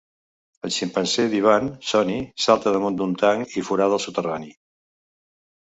El ximpanzé d'Ivan, Soni, salta damunt d'un tanc i forada el soterrani.